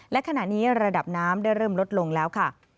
และขณะนี้ระดับน้ำได้เริ่มลดลงแล้วค่ะ